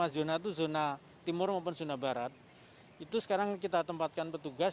lima zona itu zona timur maupun zona barat itu sekarang kita tempatkan petugas